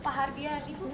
pak hardian ibu